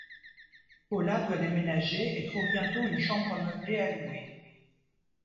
Paula doit déménager et trouve bientôt une chambre meublée à louer.